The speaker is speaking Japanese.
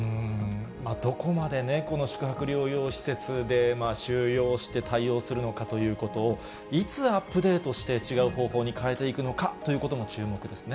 どこまでね、この宿泊療養施設で収容して対応するのかということを、いつアップデートして違う方向に変えていくのかということも注目ですね。